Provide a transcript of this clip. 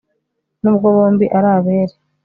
Nubwo bombi ari abere